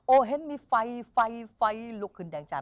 เห็นมีไฟไฟลุกขึ้นแดงจาก